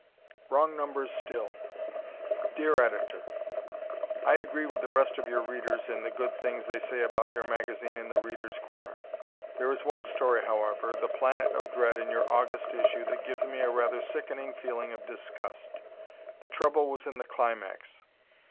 Wrong Numbers Still! Dear Editor: I agree with the rest of your readers in the good things they say about your magazine in "The Readers' Corner." There is one story, however, "The Planet of Dread," in your August issue, that gives me a rather sickening feeling of disgust. The trouble was in the climax.